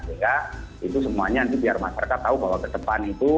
sehingga itu semuanya nanti biar masyarakat tahu bahwa ke depan itu